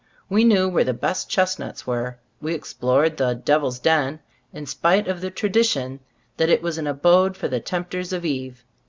We knew where the best chestnuts were. We explored the "Devil's Den," in spite of the tradition that it was an abode for the tempters of Eve.